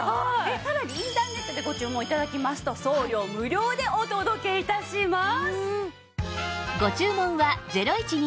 さらにインターネットでご注文頂きますと送料無料でお届け致します。